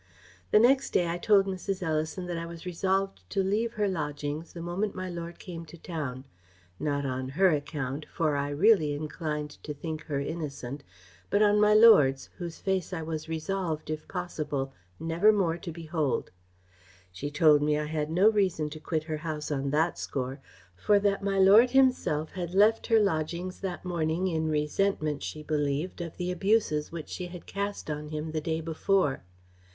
"The next day I told Mrs. Ellison that I was resolved to leave her lodgings the moment my lord came to town; not on her account (for I really inclined to think her innocent), but on my lord's, whose face I was resolved, if possible, never more to behold. She told me I had no reason to quit her house on that score, for that my lord himself had left her lodgings that morning in resentment, she believed, of the abuses Which she had cast on him the day before.